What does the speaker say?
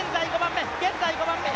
現在、５番目！